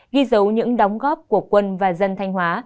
ghi dấu những đóng góp của quân và dân thanh hóa